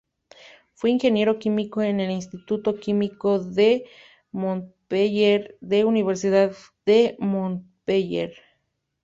Fue ingeniero químico en el Instituto Químico de Montpellier, de la Universidad de Montpellier.